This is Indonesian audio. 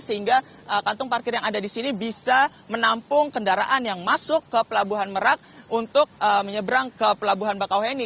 sehingga kantong parkir yang ada di sini bisa menampung kendaraan yang masuk ke pelabuhan merak untuk menyeberang ke pelabuhan bakauheni